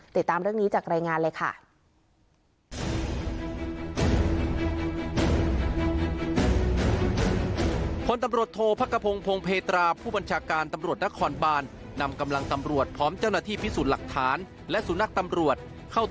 ติดตามเรื่องนี้จากรายงานเลยค่ะ